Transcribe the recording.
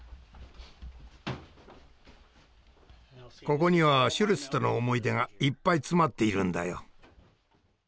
ここにはシュルツとの思い出がいっぱい詰まっているんだよ。